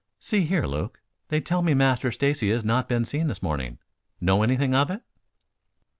See here, Luke. They tell me Master Stacy has not been seen this morning. Know anything of it?"